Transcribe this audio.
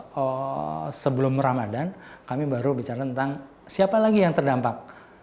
baru di fase fase sebelum ramadhan kami baru bicara tentang siapa lagi yang terdampak